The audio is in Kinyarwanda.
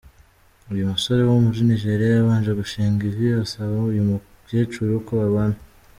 Uyu musore wo muri Nigeria yabanje gushinga ivi asaba uyu mukecuru ko babana.